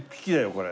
これ。